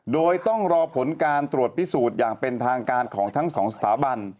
โดยต้องรอผลการตรวจพิสูจน์อย่างเป็นทางการของทั้งสองสถาบัน